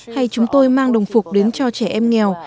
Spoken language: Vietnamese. hay chúng tôi mang đồng phục đến cho trẻ em nghèo